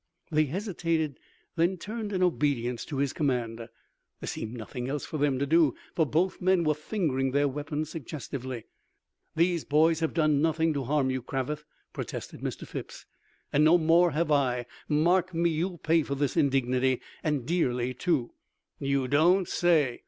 They hesitated, then turned in obedience to his command. There seemed nothing else for them to do, for both men were fingering their weapons suggestively. "These boys have done nothing to harm you, Cravath," protested Mr. Phipps. "And no more have I. Mark me, you'll pay for this indignity, and dearly too." "You don't say?"